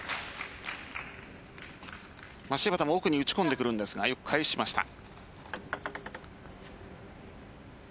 芝田も奥に打ち込んできますがよく返しました。